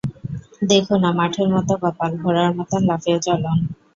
দেখ না মাঠের মতো কপাল, ঘোড়ার মতন লাফিয়ে চলন!